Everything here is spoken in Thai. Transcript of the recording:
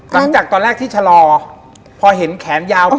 จำจากตอนแรกที่ชะลอพอเห็นแขนยาวปุ๊ป